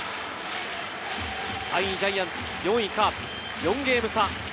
３位ジャイアンツ、４位カープ、４ゲーム差。